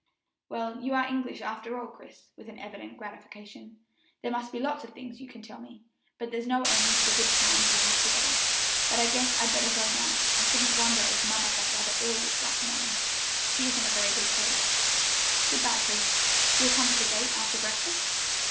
"Well, you are English, after all, Chris," with evident gratification; "there must be lots of more things you can tell me, and there's no end to the good times we'll have together; but I guess I'd better go now. I shouldn't wonder if mamma felt rather ill this rough morning she isn't a very good sailor. Good by, Chris; you'll come to the gate after breakfast?"